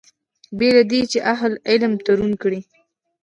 بې له دې چې اهل علم تورن کړي.